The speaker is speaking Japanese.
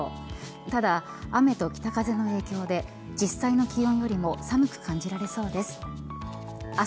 ただ、雨と北風の影響で実際の気温よりも寒く感じられそうです。